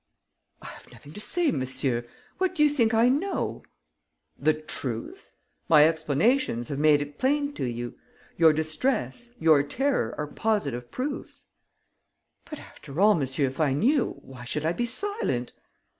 "I have nothing to say, monsieur! What do you think I know?" "The truth! My explanations have made it plain to you. Your distress, your terror are positive proofs." "But, after all, monsieur, if I knew, why should I be silent?"